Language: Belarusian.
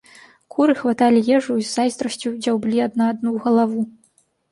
Куры хваталі ежу і з зайздрасцю дзяўблі адна адну ў галаву.